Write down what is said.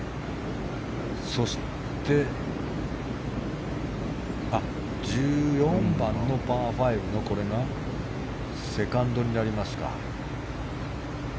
そして、１４番のパー５のこれがセカンドになりますか。